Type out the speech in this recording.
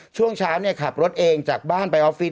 ช่วงเช้าขับรถเองจากบ้านไปออฟฟิศ